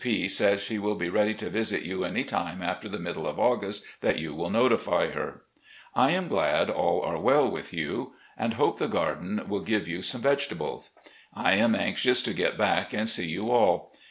P says she will be ready to visit you any time after the middle of August that you will notify her. I am glad all are well A ROUND OF VISITS 419 with you, and hope the garden will give you some vege tables. I am anxious to get back and see you all.